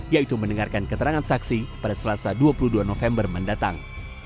yaitu mendengarkan keterangan saksi pada selasa dua puluh dua november mendatang